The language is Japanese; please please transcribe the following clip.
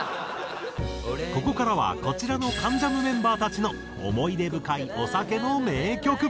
ここからはこちらの『関ジャム』メンバーたちの思い出深いお酒の名曲。